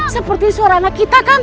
seperti suara anak kita kan